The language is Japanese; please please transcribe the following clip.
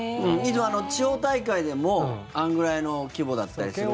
地方大会でもあのぐらいの規模だったり。